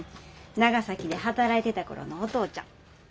長崎で働いてた頃のお父ちゃん。